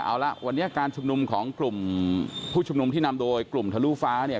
เอาละวันนี้การชุมนุมของกลุ่มผู้ชุมนุมที่นำโดยกลุ่มทะลุฟ้าเนี่ย